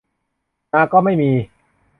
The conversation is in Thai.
นาก็ไม่มี